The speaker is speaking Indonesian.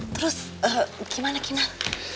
terus gimana kinar